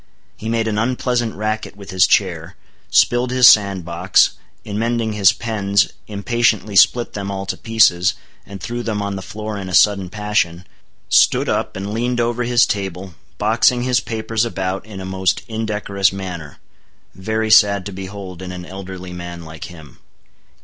He made an unpleasant racket with his chair; spilled his sand box; in mending his pens, impatiently split them all to pieces, and threw them on the floor in a sudden passion; stood up and leaned over his table, boxing his papers about in a most indecorous manner, very sad to behold in an elderly man like him.